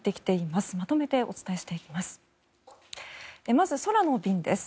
まとめてお伝えしていきます。